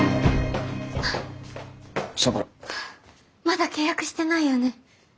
まだ契約してないよね？